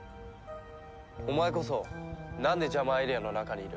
お前こそなんでジャマーエリアの中にいる？